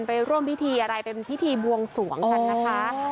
ไปร่วมพิธีอะไรเป็นพิธีบวงส่วงค่ะ